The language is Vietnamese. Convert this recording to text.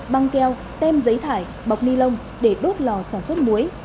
băng keo tem giấy thải bọc ni lông để đốt lò sản xuất muối